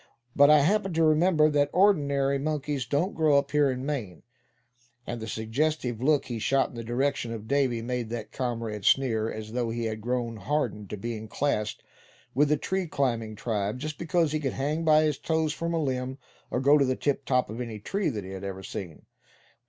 But I happened to remember that ordinary monkeys don't grow up here in Maine," and the suggestive look he shot in the direction of Davy made that comrade sneer; as though he had grown hardened to being classed with the tree climbing tribe, just because he could hang by his toes from a limb, or go up to the tiptop of any tree that he had ever seen.